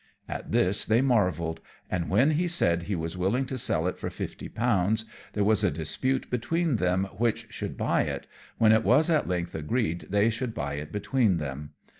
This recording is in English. At this they marvelled; and when he said he was willing to sell it for fifty pounds, there was a dispute between them which should buy it, when it was at length agreed they should buy it between them.